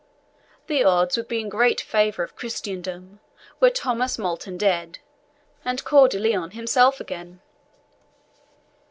The odds would be great in favour of Christendom were Thomas Multon dead and Coeur de Lion himself again."